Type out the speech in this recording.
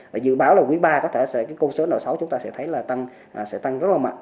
và dự báo là quý iii có thể sẽ cái công số nợ xấu chúng ta sẽ thấy là tăng sẽ tăng rất là mạnh